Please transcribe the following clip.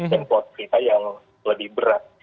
dan plot cerita yang lebih berat